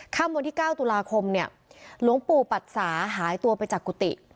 วันที่๙ตุลาคมเนี่ยหลวงปู่ปัดสาหายตัวไปจากกุฏิ